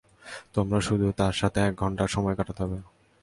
তোমার শুধু তার সাথে এক ঘন্টা সময় কাটাতে হবে।